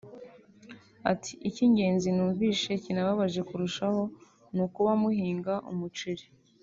Ati “ ik’ingenzi numvise kinababaje kurushaho ni ukuba muhinga umuceri